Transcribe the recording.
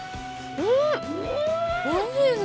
◆うん！